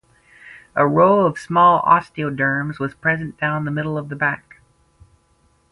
A row of small osteoderms was present down the middle of the back.